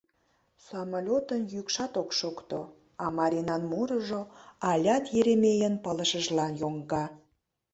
Самолётын йӱкшат ок шокто, а Маринан мурыжо алят Еремейын пылышыжлан йоҥга: